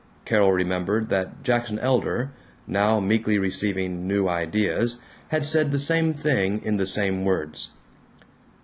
Carol remembered that Jackson Elder (now meekly receiving New Ideas) had said the same thing in the same words.